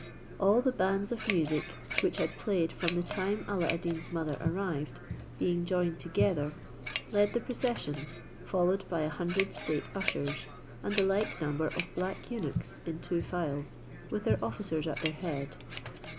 All the bands of music, which had played from the time Alla ad Deen's mother arrived, being joined together, led the procession, followed by a hundred state ushers, and the like number of black eunuchs, in two files, with their officers at their head.